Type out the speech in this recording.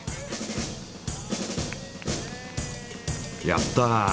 やった！